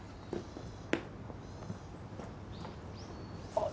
あっ。